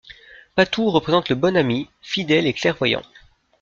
Patou représente le bon ami, fidèle et clairvoyant.